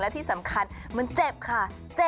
และที่สำคัญมันเจ็บค่ะเจ็บใจค่ะ